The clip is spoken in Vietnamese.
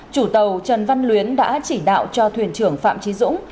chủ tàu trần văn luyến đã chỉ đạo cho thuyền trưởng phạm trí dũng